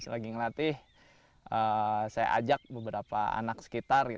lagi ngelatih saya ajak beberapa anak sekitar